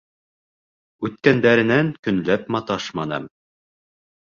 Үткәндәренән көнләп маташманым.